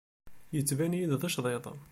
Yettban-iyi-d teccḍeḍ.